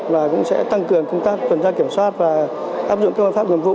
và cũng sẽ tăng cường công tác kiểm soát và áp dụng các bản pháp cường vụ